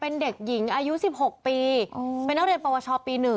เป็นเด็กหญิงอายุ๑๖ปีเป็นนักเรียนประวัติศาสตร์ปี๑